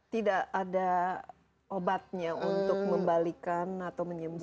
tidak ada obatnya untuk membalikan atau menyembunyi